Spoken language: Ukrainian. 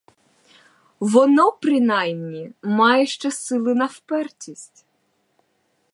Воно принаймні має ще сили на впертість.